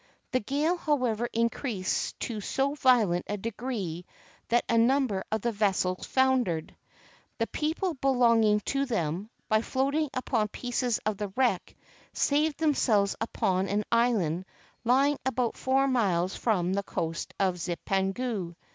The gale, however, increased to so violent a degree that a number of the vessels foundered. The people belong ing to them, by floating upon pieces of the wreck, saved themselves upon an island lying about four miles from the coast of Zipangu.